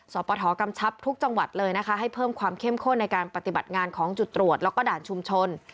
ปทกำชับทุกจังหวัดเลยนะคะให้เพิ่มความเข้มข้นในการปฏิบัติงานของจุดตรวจแล้วก็ด่านชุมชน